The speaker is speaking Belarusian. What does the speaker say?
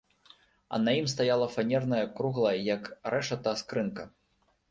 А на ім стаяла фанерная круглая, як рэшата, скрынка.